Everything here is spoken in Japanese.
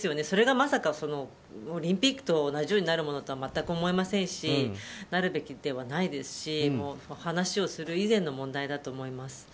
それがまさかオリンピックと同じになるとは全く思いませんしなるべきではないですし話をする以前の問題だと思います。